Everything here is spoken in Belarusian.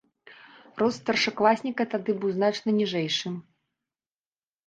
Рост старшакласніка тады быў значна ніжэйшым.